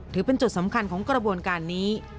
ถือเป็นจุดสำคัญของกระบวนการนี้